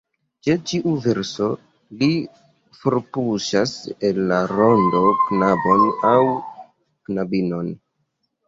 Ĉe ĉiu verso li forpuŝas el la rondo knabon aŭ knabinon.